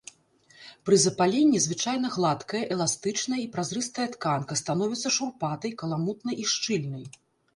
Пры запаленні звычайна гладкая, эластычная і празрыстая тканка становіцца шурпатай, каламутнай і шчыльнай.